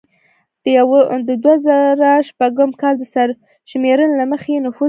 د دوه زره شپږم کال د سرشمیرنې له مخې یې نفوس زیات دی